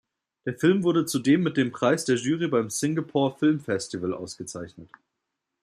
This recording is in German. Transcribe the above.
Der Film wurde zudem mit dem Preis der Jury beim "Singapore Film Festival" ausgezeichnet.